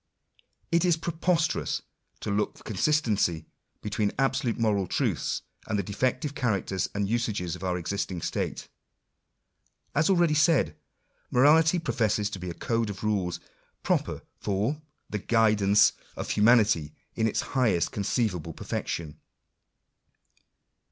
It is preposterous to look for consistency be . tween absolute moral truth, and the defective characters and usages of our existing state ! As already said, Morality pro fesses to be a code of rules proper for " the guidance of humanity Digitized by VjOOQIC 88 INTRODUCTION. in its highest conceivable perfection."